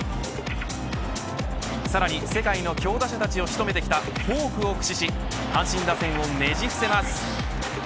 さらに、世界の強打者たちを仕留めてきたフォークを駆使し阪神打線をねじ伏せます。